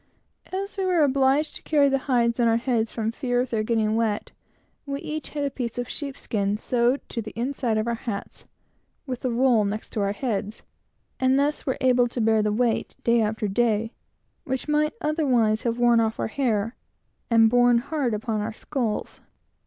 As we were obliged to carry the hides on our heads from fear of their getting wet, we each had a piece of sheepskin sewed into the inside of our hats, with the wool next to our heads, and thus were able to bear the weight, day after day, which would otherwise have soon worn off our hair, and borne hard upon our skulls.